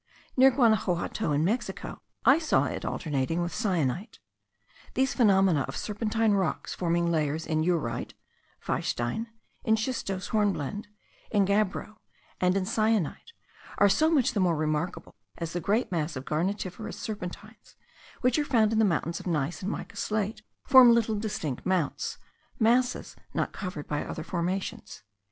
Near Guanaxuato, in Mexico, I saw it alternating with syenite. These phenomena of serpentine rocks forming layers in eurite (weisstein), in schistose hornblende, in gabbro, and in syenite, are so much the more remarkable, as the great mass of garnetiferous serpentines, which are found in the mountains of gneiss and mica slate, form little distinct mounts, masses not covered by other formations.